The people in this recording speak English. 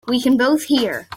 We can both hear.